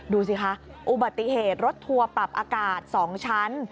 ดูสิคะอุบัติเหตุรถทัวร์ปรับอากาศ๒ชั้น